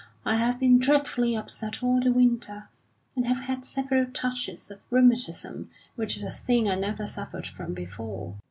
I have been dreadfully upset all the winter, and have had several touches of rheumatism, which is a thing I never suffered from before.